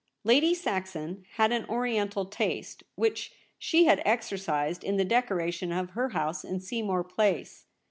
Lady Saxon had an Oriental taste which she had exercised in the decoration of her house in Seamore Place.